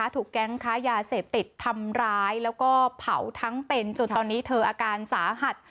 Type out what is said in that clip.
ถูกแก๊งค้ายาเสพติดทำร้ายแล้วก็เผาทั้งเป็นจนตอนนี้เธออาการสาหัส